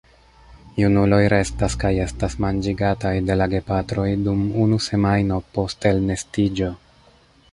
Junuloj restas kaj estas manĝigataj de la gepatroj dum unu semajno post elnestiĝo.